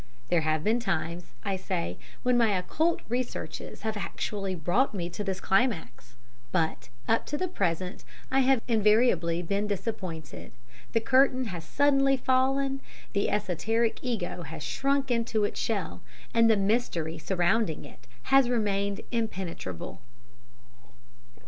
There have been times, I say, when my occult researches have actually brought me to this climax; but up to the present I have invariably been disappointed the curtain has suddenly fallen, the esoteric ego has shrunk into its shell, and the mystery surrounding it has remained impenetrable.